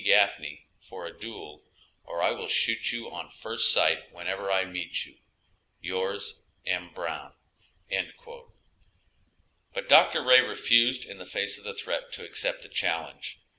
Gafney, for a duel, or I will shoot you on first sight wherever I meet you. Yours, M. Brown." But Dr. Ray refused in the face of the threat to accept the challenge.